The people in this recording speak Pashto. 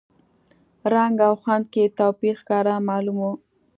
رنګ او خوند کې یې توپیر ښکاره معلوم و.